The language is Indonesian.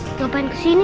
siapa yang kesini